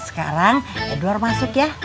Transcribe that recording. sekarang edward masuk ya